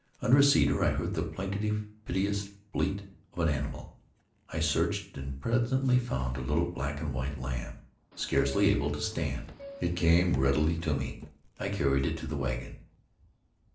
Under a cedar I heard the plaintive, piteous bleat of an animal. I searched, and presently found a little black and white lamb, scarcely able to stand. It came readily to me, and I carried it to the wagon.